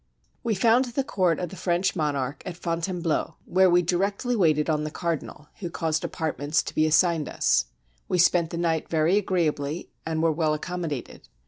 ] We found the court of the French monarch at Fontaine bleau, where we directly waited on the cardinal, who caused apartments to be assigned us: we spent the night very agreeably, and were well accommodated.